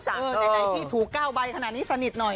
ในใดพี่ถูกเก้าใบขนาดนี้สนิทหน่อย